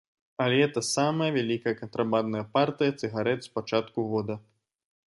Але гэта самая вялікая кантрабандная партыя цыгарэт з пачатку года.